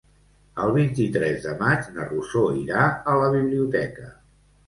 El vint-i-tres de maig na Rosó irà a la biblioteca.